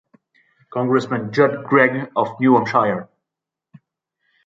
Congressman Judd Gregg of New Hampshire.